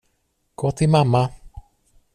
Gå till mamma.